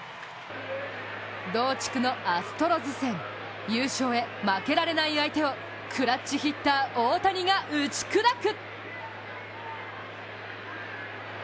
同地区のアストロズ戦優勝へ負けられない相手をクラッチヒッター・大谷が打ち砕く！